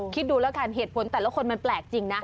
คิดดูแล้วกันเหตุผลแต่ละคนมันแปลกจริงนะ